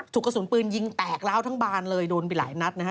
กระสุนปืนยิงแตกร้าวทั้งบานเลยโดนไปหลายนัดนะฮะ